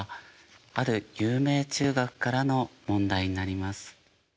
ある有名中学からの問題になります。